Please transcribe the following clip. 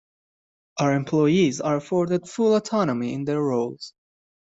Our employees are afforded full autonomy in their roles.